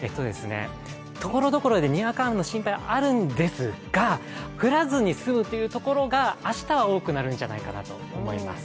ところどころでにわか雨の心配はあるんですが降らずに済むというところが明日は多くなるんじゃないかと思います。